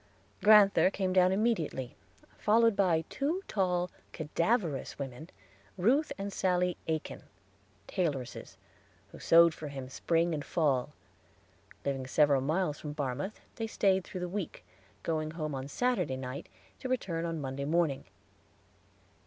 Grand'ther came down immediately followed by two tall, cadaverous women, Ruth and Sally Aikin, tailoresses, who sewed for him spring and fall. Living several miles from Barmouth, they stayed through the week, going home on Saturday night, to return on Monday morning.